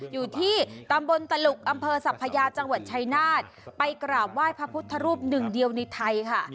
อยู่ที่ตำบลตลุกอำเภอสัพพยาจังหวัดชายนาฏไปกราบไหว้พระพุทธรูปหนึ่งเดียวในไทยค่ะ